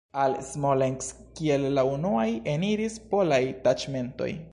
Al Smolensk kiel la unuaj eniris polaj taĉmentoj.